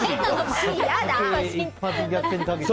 一発逆転かけて。